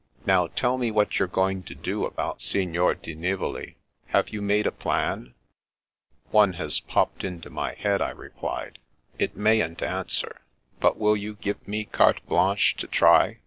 Now, tell me what you're going to do about Signor di Nivoli. Have you made a plan ?"" One has popped into my head," I replied. " It mayn't answer, but will you give me carte blanche to try?